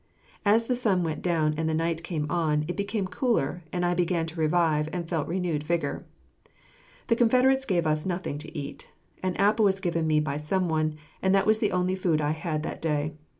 As the sun went down and the night came on, it became cooler, and I began to revive and feel renewed vigor. The Confederates gave us nothing to eat. An apple was given me by some one, and that was the only food I had that day.